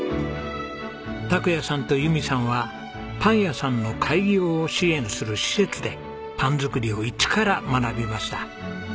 拓也さんと友美さんはパン屋さんの開業を支援する施設でパン作りを一から学びました。